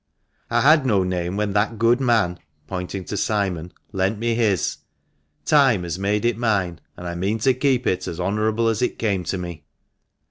I had no name when that good man " (pointing to Simon) " lent me his ; time has made it mine, and I mean to keep it as honourable as it came to me."